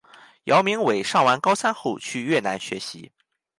姚明伟上完高三后去越南学习。